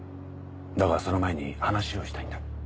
だがその前に話をしたいんだ。